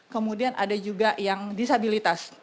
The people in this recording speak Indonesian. kemudian ada juga yang disabilitas